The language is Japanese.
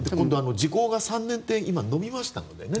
時効が３年って今、延びましたのでね。